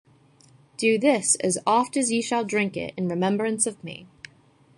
Do this, as oft as ye shall drink it, in remembrance of me.